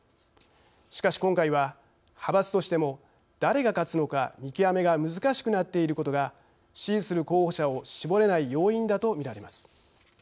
しかし、今回は派閥としても誰が勝つのか見極めが難しくなっていることが支持する候補者を絞れない要因だとみられます。